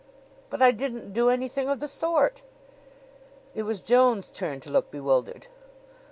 "But I didn't do anything of the sort." It was Joan's turn to look bewildered.